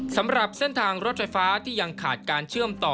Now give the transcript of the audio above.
สำหรับเส้นทางรถไฟฟ้าที่ยังขาดการเชื่อมต่อ